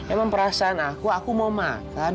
emang perasaan aku aku mau makan